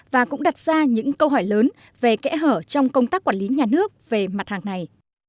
và cũng đặt ra những câu hỏi lớn về kẽ hở trong công tác quản lý nhà nước về mặt hàng này